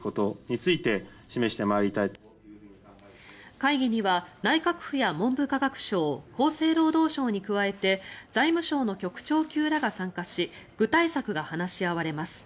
会議には内閣府や文部科学省厚生労働省に加えて財務省の局長級らが参加し具体策が話し合われます。